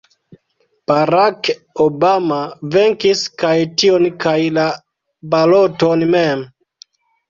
Barack Obama venkis kaj tion kaj la baloton mem.